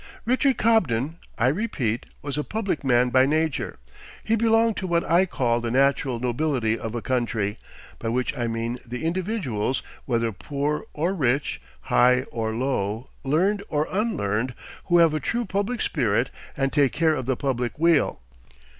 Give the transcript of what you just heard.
Richard Cobden, I repeat, was a public man by nature. He belonged to what I call the natural nobility of a country; by which I mean the individuals, whether poor or rich, high or low, learned or unlearned, who have a true public spirit, and take care of the public weal.